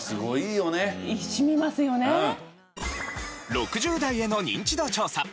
６０代へのニンチド調査。